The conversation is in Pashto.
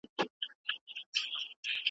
خالي کړي له بچو یې ځالګۍ دي `